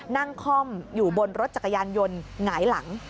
ค่อมอยู่บนรถจักรยานยนต์หงายหลัง